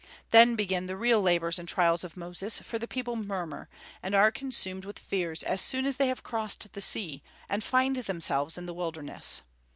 Then begin the real labors and trials of Moses; for the people murmur, and are consumed with fears as soon as they have crossed the sea, and find themselves in the wilderness.